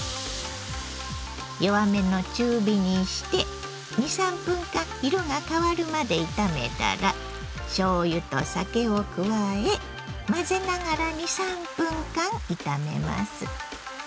弱めの中火にして２３分間色が変わるまで炒めたらしょうゆと酒を加え混ぜながら２３分間炒めます。